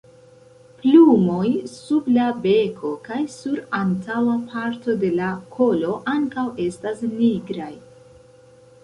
Plumoj sub la beko kaj sur antaŭa parto de la kolo ankaŭ estas nigraj.